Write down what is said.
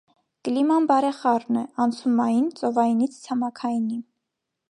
Կլիման բարեխառն է, անցումային՝ ծովայինից ցամաքայինի։